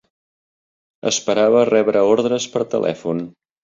Esperava rebre ordres per telèfon